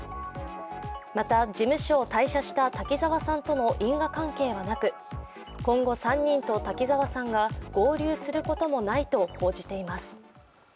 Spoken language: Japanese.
また、事務所を退社した滝沢さんとの因果関係はなく今後３人と滝沢さんが合流することもないと報じています。